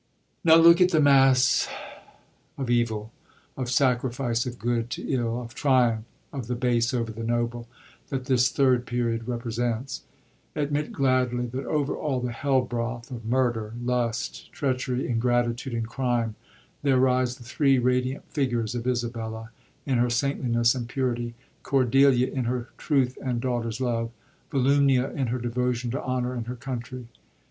Now look at the mass of evil, of sacrifice of good to ill, of triumph of the hase over the nohle, that this Third Period represents. Admit gladly that over all the hell broth of murder, lust, treachery, ingratitude and crime, there rise the three radiant figures of Isabella, in her saintliness and purity; Coi'delia, in her truth and daughter's love; Yolumnia, in her devotion to honor and her country.